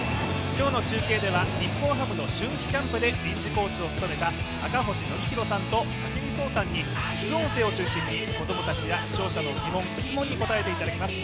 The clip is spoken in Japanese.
今日の中継では日本ハムの春季キャンプで臨時コーチを務めた赤星憲広さんと武井壮さんに副音声を中心に子供たちや視聴者の疑問、質問に答えていただきます。